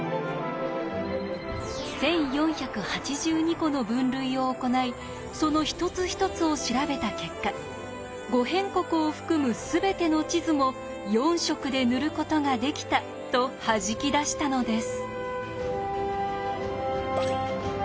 １４８２個の分類を行いその一つ一つを調べた結果「五辺国」を含む全ての地図も４色で塗ることができたとはじき出したのです。